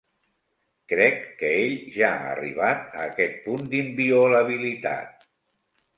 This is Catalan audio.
Crec que ell ja ha arribat a aquest punt d'inviolabilitat.